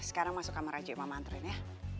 sekarang masuk kamar aja yang mama anterin ya